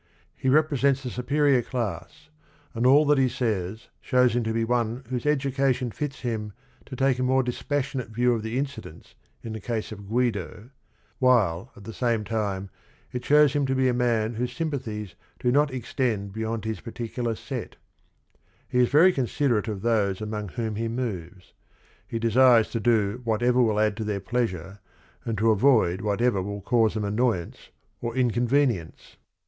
He repres ents th g__s_uperior clasSj. and all that he says shows him to be o ne whose education fits him to take a more disp as si onate view of the incidents in the case of G uido, while, aljvhg same time , it shows him to be a man whose sympathies do not extend beyond his partic ular set He is very considerate "of those among whom he moves; he desires to do whatever will add to their pleasure and to avoid whatever will cause them annoyance or incon venience.